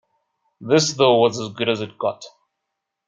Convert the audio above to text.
This though was as good as it got.